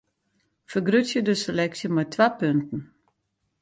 Fergrutsje de seleksje mei twa punten.